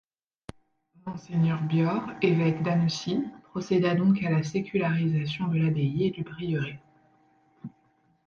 Monseigneur Biord, évêque d'Annecy, procéda donc à la sécularisation de l'abbaye et du prieuré.